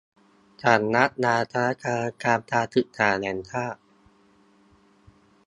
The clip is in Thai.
สำนักงานคณะกรรมการการศึกษาแห่งชาติ